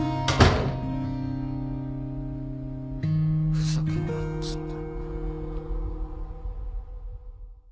ふざけんなっつうんだ。